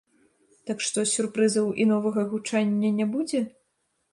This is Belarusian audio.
Так што сюрпрызаў і новага гучання не будзе?